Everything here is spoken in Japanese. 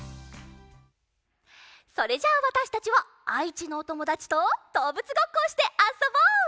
それじゃあわたしたちはあいちのおともだちとどうぶつごっこをしてあそぼう！